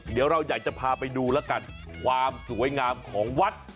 เดี๋ยวเราอยากจะพาไปดูแล้วกันความสวยงามของวัด